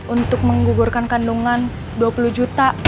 untuk menggugurkan kandungan dua puluh juta